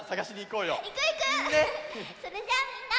それじゃあみんな。